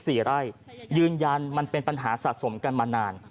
สี่ไร่ยืนยันมันเป็นปัญหาสะสมกันมานาน